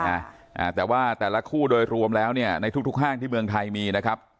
อ่าแต่ว่าแต่ละคู่โดยรวมแล้วเนี่ยในทุกทุกห้างที่เมืองไทยมีนะครับ